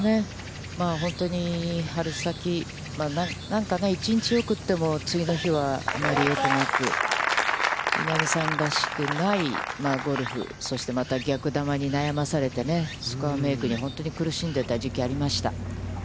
本当に春先、次の日は、余りよくなく、稲見さんらしくない、ゴルフ、そしてまた逆球に悩まされてね、スコアメークに本当に苦しんでいた時期がありました。